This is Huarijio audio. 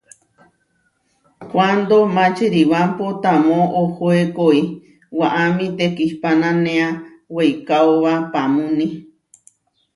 Kuando Mačiribámpo tamó ohóekoi, waʼámi tekihpánanea weikáoba paamúni.